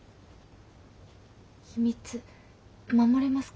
秘密守れますか？